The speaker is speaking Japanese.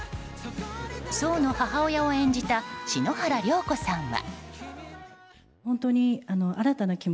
想の母親を演じた篠原涼子さんは。